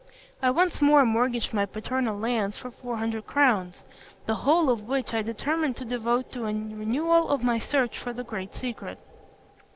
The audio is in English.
I once more mortgaged my paternal lands for four hundred crowns, the whole of which I determined to devote to a renewal of my search for the great secret.